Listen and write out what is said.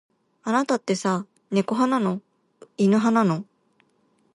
あなたってさ、猫派なの。犬派なの。